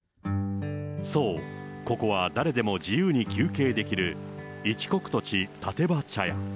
そう、ここは誰でも自由に休憩できる、一石栃立場茶屋。